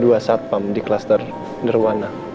dua satpam di kluster nirwana